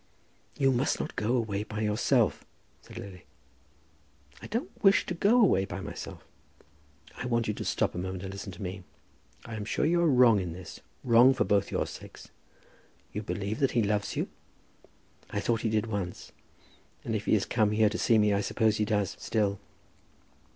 "You must not go away by yourself," said Lily. "I don't wish to go away by myself." "I want you to stop a moment and listen to me. I am sure you are wrong in this, wrong for both your sakes. You believe that he loves you?" "I thought he did once; and if he has come here to see me, I suppose he does still."